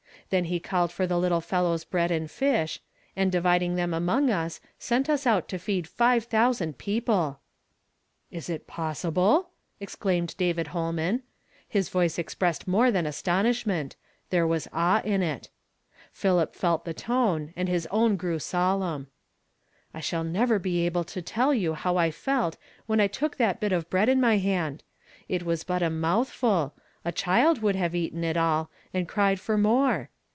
'Humi he called for the little fellow's bread and lish, and dividing them among us, sent us out to feed five thousand people I " "Is it possible?" exclaimed David Ilolman. His voice expressed more than astonishment; there was awe in it. Philip felt the tone, and his own grew solenni. ''I shall never be able to tell you how I felt when I took that bit of bread in my hand. It was but a mouthful ; a child would have eaten it all, and cried for more.